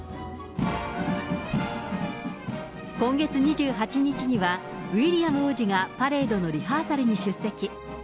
今月２８日には、ウィリアム王子がパレードのリハーサルに出席。